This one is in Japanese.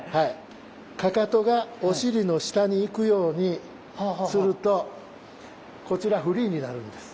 かかとがお尻の下に行くようにするとこちらフリーになるんです。